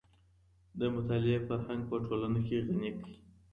د مطالعې فرهنګ په ټولنه کي غني کړئ.